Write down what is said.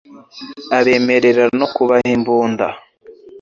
abemerera no kubaha imbunda